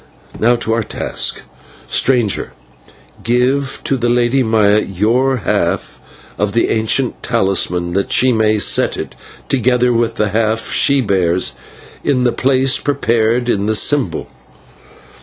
And now to our task. Stranger, give to the Lady Maya your half of the ancient talisman, that she may set it, together with the half she bears, in the place prepared in the symbol."